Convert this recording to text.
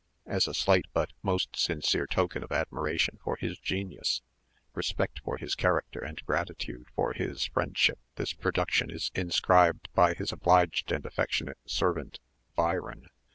as a slight but most sincere token of admiration of his genius, respect for his character, and gratitude for his friendship, THIS PRODUCTION IS INSCRIBED by his obliged and affectionate servant, BYRON.